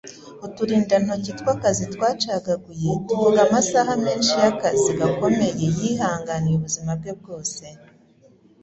Uturindantoki tw'akazi twacagaguye tuvuga amasaha menshi y'akazi gakomeye yihanganiye ubuzima bwe bwose.